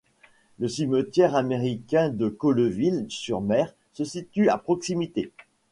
Le cimetière américain de Colleville-sur-Mer se situe à proximité.